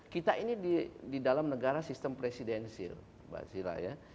kita ini di dalam negara sistem presidensil mbak sira ya